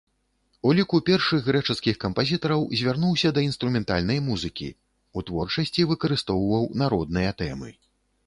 У ліку першых грэчаскіх кампазітараў звярнуўся да інструментальнай музыкі, у творчасці выкарыстоўваў народныя тэмы.